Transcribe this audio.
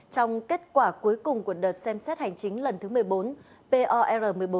trong kết quả cuối cùng của đợt xem xét hành chính lần thứ một mươi bốn pr một mươi bốn